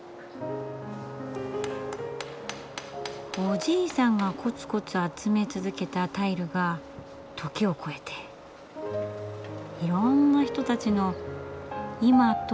おじいさんがコツコツ集め続けたタイルが時を超えていろんな人たちの今と過去をつないでる。